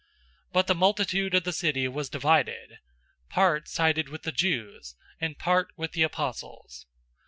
014:004 But the multitude of the city was divided. Part sided with the Jews, and part with the apostles.